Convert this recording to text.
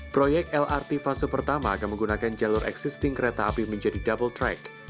proyek lrt fase pertama akan menggunakan jalur existing kereta api menjadi double track